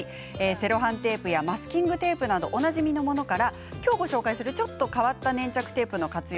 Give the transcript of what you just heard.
セロハンテープやマスキングテープなどおなじみのものから今日ご紹介するちょっと変わった粘着テープの活用